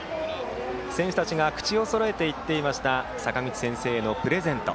選手たちが口をそろえて言っていました阪口先生へのプレゼント。